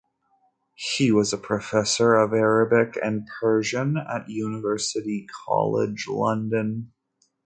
He was a Professor of Arabic and Persian at University College London.